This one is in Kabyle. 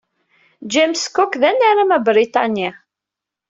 James Cook d anaram abriṭani.